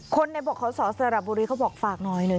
คนในบริษัทสรสระบุรีเขาบอกฝากหน่อยหน่อย